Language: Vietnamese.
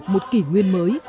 một kỷ nguyên mới